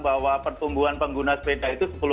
bahwa pertumbuhan pengguna sepeda itu